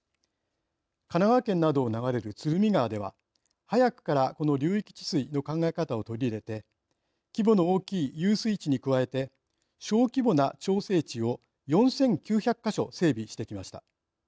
神奈川県などを流れる鶴見川では早くからこの流域治水の考え方を取り入れて規模の大きい遊水地に加えて小規模な調整池を４９００か所整備してきました。